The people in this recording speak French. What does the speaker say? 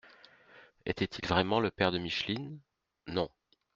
—Était-il vraiment le père de Micheline ? —Non.